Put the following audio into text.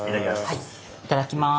はいいただきます。